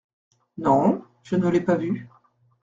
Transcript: Non… je ne l’ai pas vu…